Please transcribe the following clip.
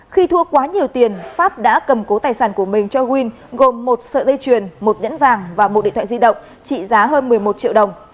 khi thua quá nhiều tiền pháp đã cầm cố tài sản của mình cho huyên gồm một sợi dây chuyền một nhẫn vàng và một điện thoại di động trị giá hơn một mươi một triệu đồng